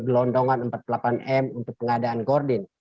gelondongan empat puluh delapan m untuk pengadaan gordin